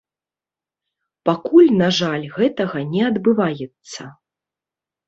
Пакуль, на жаль, гэтага не адбываецца.